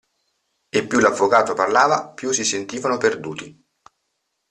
E più l'avvocato parlava più si sentivano perduti.